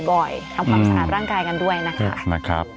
ทำความสะอาดร่างกายกันด้วยนะคะ